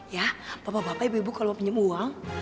ya bapak bapak ibu ibu kalau mau pinjem uang